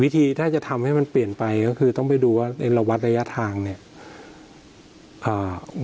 ทีถ้าจะทำให้มันเปลี่ยนไปก็คือต้องไปดูว่าในระวัดระยะทางเนี่ยอ่า